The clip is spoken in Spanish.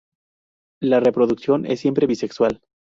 La reproducción es siempre bisexual.